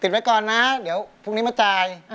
ไว้ก่อนนะเดี๋ยวพรุ่งนี้มาจ่าย